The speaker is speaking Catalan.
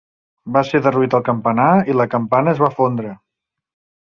Va ser derruït el campanar i la campana es va fondre.